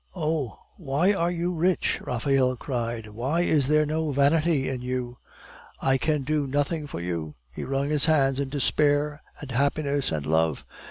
"Oh, why are you rich?" Raphael cried; "why is there no vanity in you? I can do nothing for you." He wrung his hands in despair and happiness and love.